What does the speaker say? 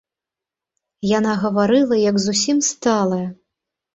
Яна гаварыла, як зусім сталая.